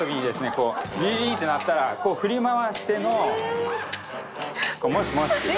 こうビーッて鳴ったらこう振り回しての「もしもし」という。